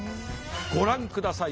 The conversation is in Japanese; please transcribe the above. ご覧ください。